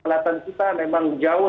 kelelapan kita memang jauh lebih